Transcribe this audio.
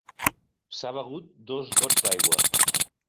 S'ha begut dos gots d'aigua.